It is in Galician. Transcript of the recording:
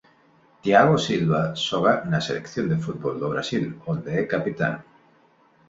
Thiago Silva xoga na Selección de fútbol do Brasil onde é capitán.